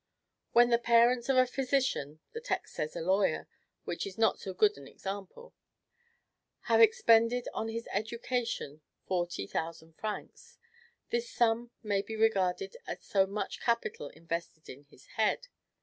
"When the parents of a physician [the text says a lawyer, which is not so good an example] have expended on his education forty thousand francs, this sum may be regarded as so much capital invested in his head.